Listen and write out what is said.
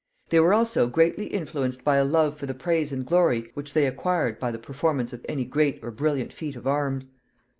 They were also greatly influenced by a love for the praise and glory which they acquired by the performance of any great or brilliant feat of arms.